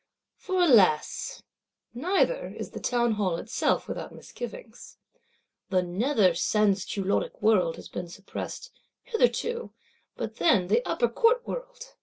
For, alas, neither is the Townhall itself without misgivings. The Nether Sansculottic world has been suppressed hitherto: but then the Upper Court world!